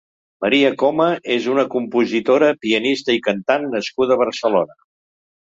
Maria Coma és una compositora, pianista i cantant nascuda a Barcelona.